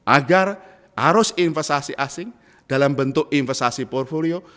agar arus investasi asing dalam bentuk investasi portfolio